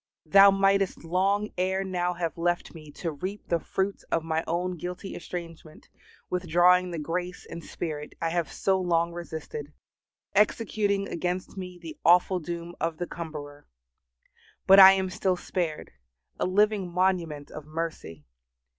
Thou mightest long ere now have left me to reap the fruits of my own guilty estrangement, withdrawing the grace and Spirit I have so long resisted, executing against me the awful doom of the cumberer. But I am still spared, a living monument of mercy.